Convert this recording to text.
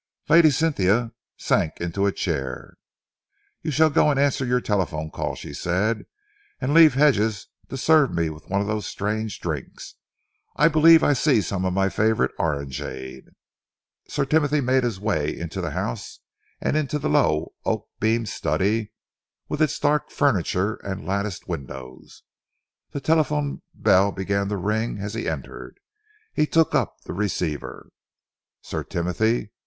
Lady Cynthia sank into a chair. "You shall go and answer your telephone call," she said, "and leave Hedges to serve me with one of these strange drinks. I believe I see some of my favourite orangeade." Sir Timothy made his way into the house and into the low, oak beamed study with its dark furniture and latticed windows. The telephone bell began to ring again as he entered. He took up the receiver. "Sir Timothy?"